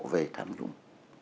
về tham nhũng